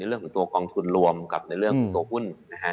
เรื่องของตัวกองทุนรวมกับในเรื่องของตัวหุ้น